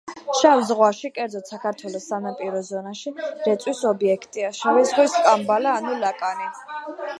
შავ ზღვაში, კერძოდ, საქართველოს სანაპირო ზონაში, რეწვის ობიექტია შავი ზღვის კამბალა ანუ ლაკანი.